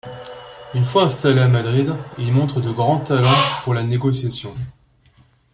Une fois installé à Madrid, il montre de grands talents pour la négociation.